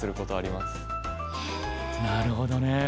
なるほどね。